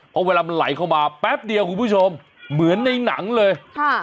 เพราะเวลามันไหลเข้ามาแป๊บเดียวคุณผู้ชมเหมือนในหนังเลย